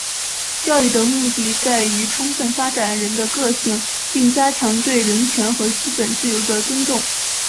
教育的目的在于充分发展人的个性并加强对人权和基本自由的尊重。